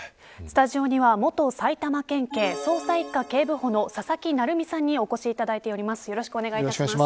スタジオには元埼玉県警捜査一課警部補の佐々木成三さんにお越しいただいています。